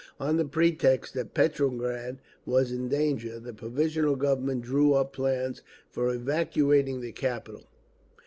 On the pretext that Petrograd was in danger, the Provisional Government drew up plans for evacuating the capital.